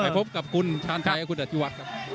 กลับกับคุณชาญไทยคุณอาจิวัทครับ